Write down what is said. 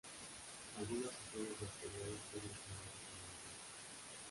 Algunas escenas de exteriores fueron filmadas en Miramar.